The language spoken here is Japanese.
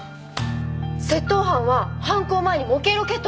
窃盗犯は犯行前に模型ロケットを飛ばした。